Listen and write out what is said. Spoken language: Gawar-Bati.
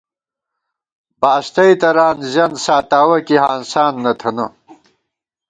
باستَئےتران زِینت ساتاوَہ کی ہانسان نہ تھنہ